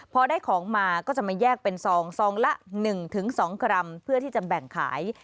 พอได้ของมาก็จะมาแยกเป็นซองซองละ๑๒กรัมเพื่อที่จะแบ่งขาย